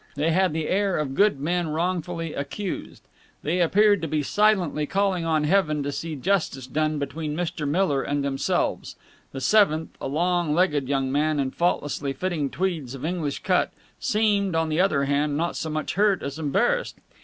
They had the air of good men wrongfully accused. They appeared to be silently calling on Heaven to see justice done between Mr. Miller and themselves. The seventh, a long legged young man in faultlessly fitting tweeds of English cut, seemed, on the other hand, not so much hurt as embarrassed.